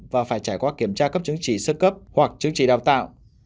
và phải trải qua kiểm tra cấp chứng chỉ sơ cấp hoặc chứng chỉ đào tạo